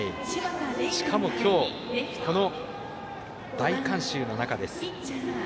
しかも今日この大観衆の中です。